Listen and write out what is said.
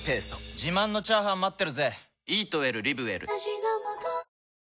自慢のチャーハン待ってるぜ！